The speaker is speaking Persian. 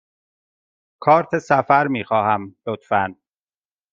کارت سفر می خواهم، لطفاً.